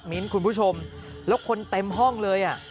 มีอินทร์คุณผู้ชมแล้วคนเต็มห้องเลย